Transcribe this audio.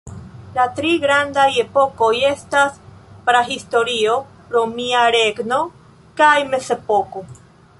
La tri grandaj epokoj estas Prahistorio, Romia Regno kaj Mezepoko.